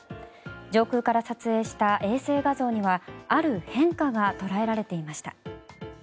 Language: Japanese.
上空から撮影した衛星画像にはある変化が捉えられていました。